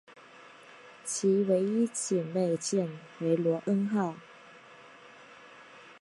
其唯一的姊妹舰为罗恩号。